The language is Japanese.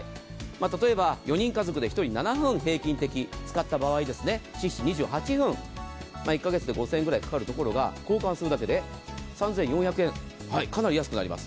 例えば４人家族で１人７分平均的に使った場合２８分、１か月間で５０００円くらいかかりますが交換するだけで３４００円かなり安くなります。